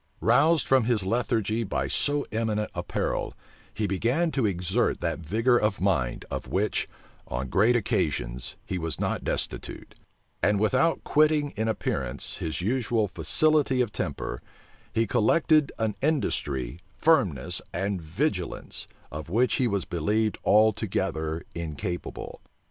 Roused from his lethargy by so imminent a peril, he began to exert that vigor of mind, of which, on great occasions, he was not destitute; and without quitting in appearance his usual facility of temper, he collected an industry, firmness, and vigilance, of which he was believed altogether incapable.